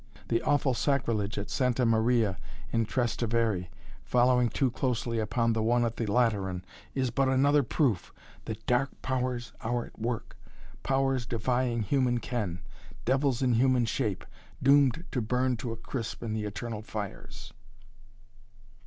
The awful sacrilege at Santa Maria in Trastevere, following so closely upon the one at the Lateran, is but another proof that dark powers are at work powers defying human ken devils in human shape, doomed to burn to a crisp in the eternal fires."